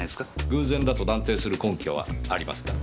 偶然だと断定する根拠はありますか？